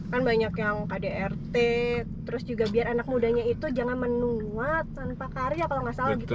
kan banyak yang kdrt terus juga biar anak mudanya itu jangan menua tanpa karya kalau nggak salah gitu